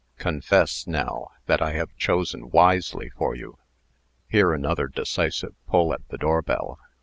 Confess, now, that I have chosen wisely for you." Here another decisive pull at the door bell. Mr.